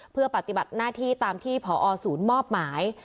เพื่อปฏิบัติหน้าที่ตามที่พอศูนย์มอบหมาย